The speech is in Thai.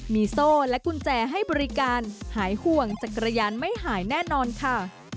มีโซ่และกุญแจให้บริการหายห่วงจักรยานไม่หายแน่นอนค่ะ